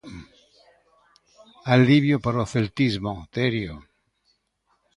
Alivio para o celtismo, Terio.